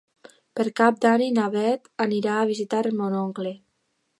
Per Cap d'Any na Bet anirà a visitar mon oncle.